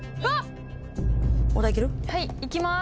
はい。